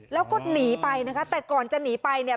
แล้วก็หนีไปนะคะแต่ก่อนจะหนีไปเนี่ย